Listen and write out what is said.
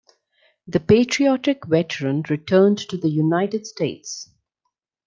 The patriotic veteran returned to the United States.